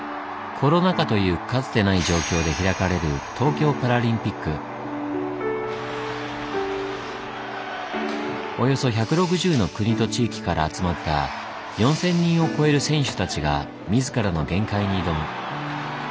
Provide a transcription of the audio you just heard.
コロナ禍というかつてない状況で開かれるおよそ１６０の国と地域から集まった４，０００人を超える選手たちが自らの限界に挑む。